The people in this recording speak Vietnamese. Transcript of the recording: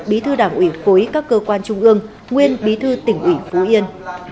bí thư đảng ủy khối các cơ quan trung ương nguyên bí thư tỉnh ủy phú yên